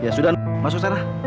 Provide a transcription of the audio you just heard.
ya sudah masuk sarah